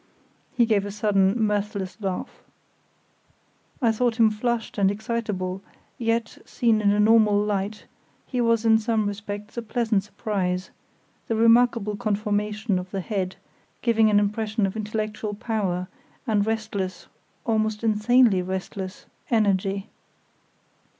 He gave a sudden, mirthless laugh. I thought him flushed and excitable; yet, seen in a normal light, he was in some respects a pleasant surprise, the remarkable conformation of the head giving an impression of intellectual power and restless, almost insanely restless, energy.